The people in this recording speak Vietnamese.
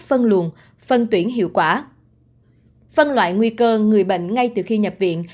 phân luồn phân tuyển hiệu quả phân loại nguy cơ người bệnh ngay từ khi nhập viện